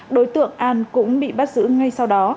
đối tượng an cũng bị bắt giữ ngay sau đó